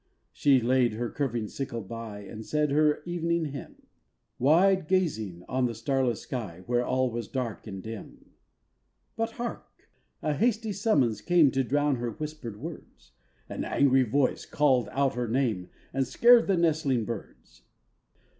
She laid her curving sickle by, And said her evening hymn, Wide gazing on the starless sky, Where all was dark and dim. But hark! A hasty summons came To drown her whispered words, An angry voice called out her name, And scared the nestling birds.